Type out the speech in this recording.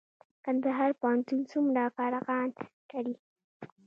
کندهار پوهنتون څومره فارغان لري؟